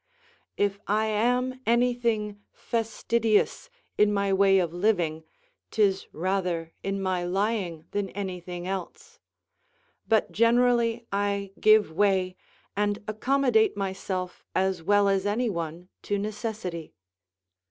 If I am anything fastidious in my way of living 'tis rather in my lying than anything else; but generally I give way and accommodate myself as well as any one to necessity.